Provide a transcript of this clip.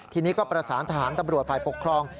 ทีนี้ก็ประสานทหารตำรวจฝ่ายปกครอง